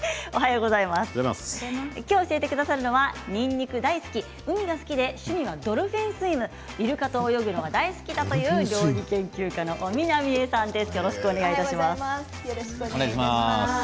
今日、教えてくださるのはにんにく大好き海が好きで趣味はドルフィンスイムいるかと泳ぐのが大好きだという料理研究家の尾身奈美枝さんです。